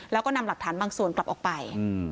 แล้วก็นำหลักฐานบางส่วนกลับออกไป